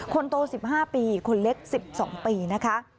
คนโต๑๕ปีคนเล็ก๑๒ปีนะคะ